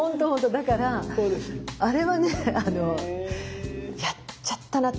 だからあれはねやっちゃったなっていうか。